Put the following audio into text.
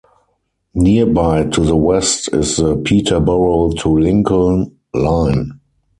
Nearby to the west is the Peterborough to Lincoln Line.